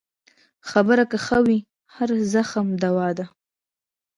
خبره که ښه وي، هر زخم دوا ده.